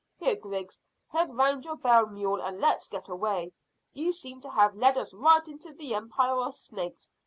"Here, Griggs, head round your bell mule and let's get away. You seem to have led us right into the empire of snakes.